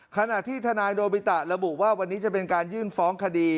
ขณะที่ทนายโดบิตะระบุว่าวันนี้จะเป็นการยื่นฟ้องคดี